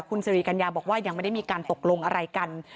คุณสิริกัญญาบอกว่ายังไม่ได้มีการตกลงอะไรกัน